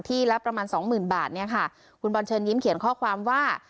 ละประมาณสองหมื่นบาทเนี่ยค่ะคุณบอลเชิญยิ้มเขียนข้อความว่า